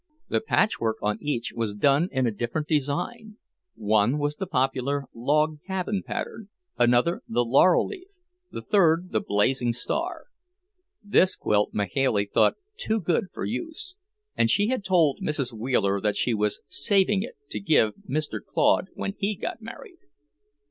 The patchwork on each was done in a different design; one was the popular "log cabin" pattern, another the "laurel leaf," the third the "blazing star." This quilt Mahailey thought too good for use, and she had told Mrs. Wheeler that she was saving it "to give Mr. Claude when he got married."